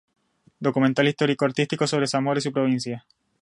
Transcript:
Documental Histórico-Artístico sobre Zamora y su provincia.